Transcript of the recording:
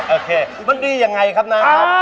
โอเคมันดีอย่างไรครับนาง